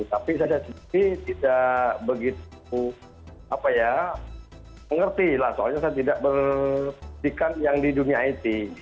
tapi saya sendiri tidak begitu mengerti lah soalnya saya tidak berpedikan yang di dunia it